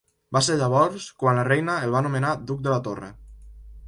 Va ser llavors quan la reina el va nomenar duc de la Torre.